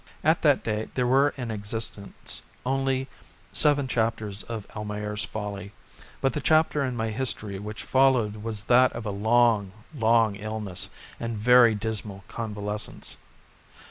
At that date there were in existence only seven chapters of "Almayer's Folly," but the chapter in my history which followed was that of a long, long illness and very dismal convalescence.